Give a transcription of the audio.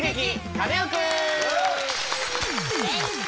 カネオくん」！